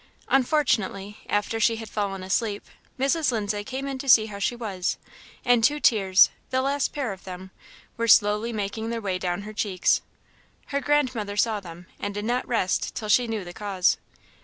Unfortunately, after she had fallen asleep, Mrs. Lindsay came in to see how she was, and two tears, the last pair of them, were slowly making their way down her cheeks. Her grandmother saw them, and did not rest till she knew the cause.